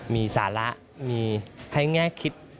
มีสาระมีให้แง่คิด